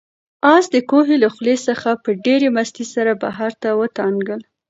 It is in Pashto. آس د کوهي له خولې څخه په ډېرې مستۍ سره بهر ته ودانګل.